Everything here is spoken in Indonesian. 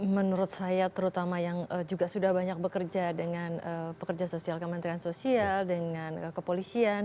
menurut saya terutama yang juga sudah banyak bekerja dengan pekerja sosial kementerian sosial dengan kepolisian